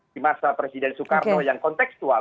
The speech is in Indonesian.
di masa presiden soekarno yang konteksual